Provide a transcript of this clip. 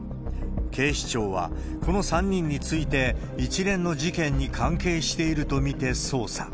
警視庁は、この３人について、一連の事件に関係していると見て捜査。